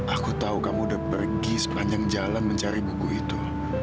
aku tahu kamu udah pergi sepanjang jalan mencari buku itu